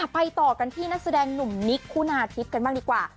ไปต่อกันที่นักแสดงหนุ่มนิกคุณาทิพย์กันบ้างดีกว่า